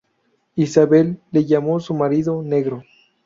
Isabel le llamó su ‘marido negro'.